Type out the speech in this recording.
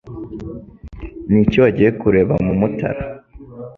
N’iki wagiye kureba mu mutara